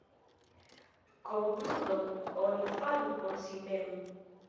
Konkludon oni faru por si mem.